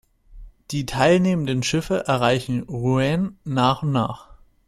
Die teilnehmenden Schiffe erreichen Rouen nach und nach.